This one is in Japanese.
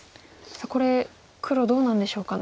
さあこれ黒どうなんでしょうか。